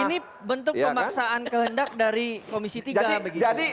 ini bentuk pemaksaan kehendak dari komisi tiga